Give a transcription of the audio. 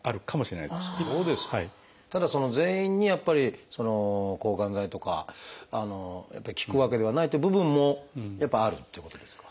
ただ全員にやっぱり抗がん剤とか効くわけではないという部分もやっぱりあるってことですか？